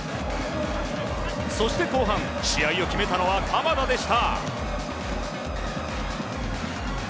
そして後半試合を決めたのは鎌田でした。